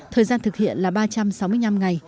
thời gian thực hiện là ba trăm sáu mươi năm ngày